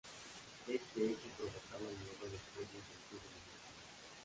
Este hecho provocaba miedo en los pueblos al pie de las montañas.